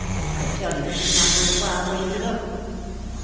I tell you it is not worth while for you to look."